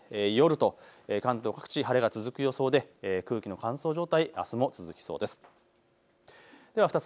夕方、そして夜と関東各地、晴れが続く予想で空気の乾燥状態、あすも続きそうです。